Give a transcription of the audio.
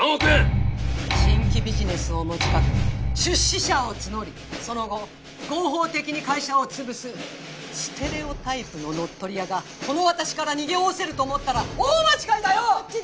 新規ビジネスを持ち掛け出資者を募りその後合法的に会社をつぶすステレオタイプの乗っ取り屋がこの私から逃げおおせると思ったら大間違いだよ！